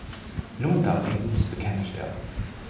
Lohndumping muss bekämpft werden.